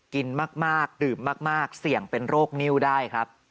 กินมากดื่มมากเสี่ยงเป็นโรคนิ้วได้ครับ